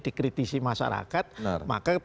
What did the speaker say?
dikritisi masyarakat maka